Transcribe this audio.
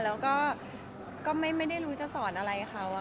แล้วก็ไม่ได้รู้จะสอนอะไรเขา